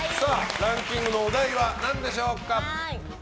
ランキングのお題は何でしょうか。